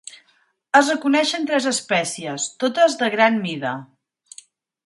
Es reconeixen tres espècies, totes de gran mida.